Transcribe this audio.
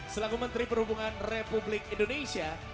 selaku menteri perhubungan republik indonesia